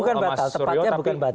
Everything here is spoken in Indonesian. bukan batal tepatnya bukan batal